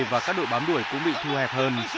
và các đội bám đuổi cũng bị thu hẹp hơn